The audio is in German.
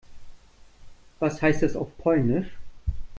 Was heißt das auf Polnisch?